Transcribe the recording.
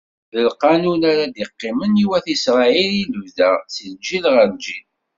D lqanun ara d-iqqimen i wat Isṛayil, i lebda, si lǧil ɣer lǧil.